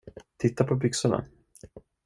Titta på byxorna.